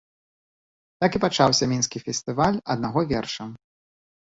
Так і пачаўся мінскі фестываль аднаго верша.